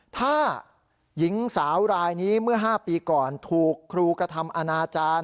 ถ้าหญิงสาวรายนี้เมื่อ๕ปีก่อนถูกครูกระทำอนาจารย์